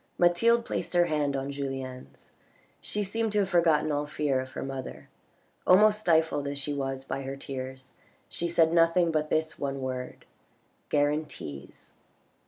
Mathilde placed her hand on Julien's ; she seemed to have forgotten all fear of her mother. Almost stifled as she was by her tears, she said nothing but this one word :" Guarantees